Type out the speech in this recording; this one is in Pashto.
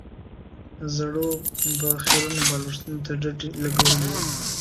زړو به خيرنو بالښتونو ته ډډې لګولې وې.